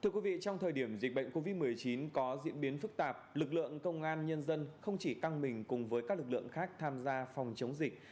thưa quý vị trong thời điểm dịch bệnh covid một mươi chín có diễn biến phức tạp lực lượng công an nhân dân không chỉ căng mình cùng với các lực lượng khác tham gia phòng chống dịch